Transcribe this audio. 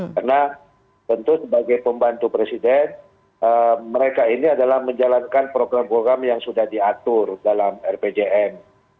karena tentu sebagai pembantu presiden mereka ini adalah menjalankan program program yang sudah diatur dalam rpjm